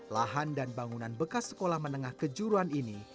lahan dan bangunan bekas sekolah menengah kejuruan ini